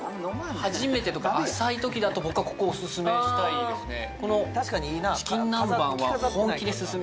初めてとか浅いときだと僕はここをオススメしたいですね